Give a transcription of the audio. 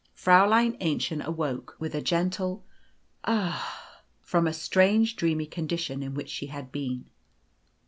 Fräulein Aennchen awoke, with a gentle "Ah!" from a strange dreamy condition in which she had been.